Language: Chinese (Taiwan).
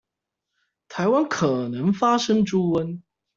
臺灣可能發生豬瘟